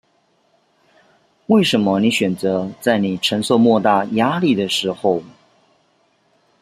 為什麼你選擇在你承受莫大壓力的時候